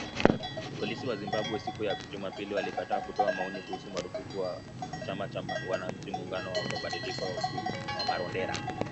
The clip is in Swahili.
Polisi wa Zimbabwe, siku ya Jumapili walikataa kutoa maoni kuhusu marufuku kwa chama cha Wananchi Muungano wa Mabadiliko huko Marondera